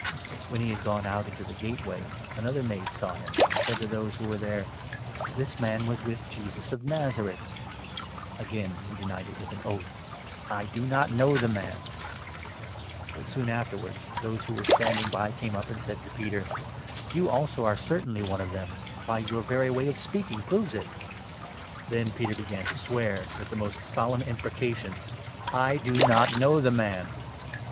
When he had gone out into the gateway, another maid saw 71 him, and said to those who were there :" This man was with Jesus of Nazareth !" Again he denied it with an oath : 72 " I do not know the man !" But soon afterwards those who were standing by came up and 73 said to Peter: '' You also are certainly one of them ; why, your very way of speaking proves it !" Then Peter began to swear, with most solemn imprecations : 74 " I do not know the man."